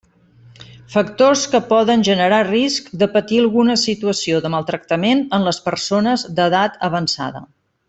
Factors que poden generar risc de patir alguna situació de maltractament en les persones d'edat avançada.